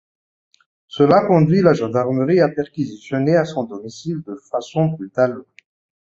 Cela conduit la gendarmerie à perquisitionner à son domicile de façon brutale.